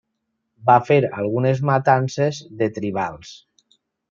Va fer algunes matances de tribals.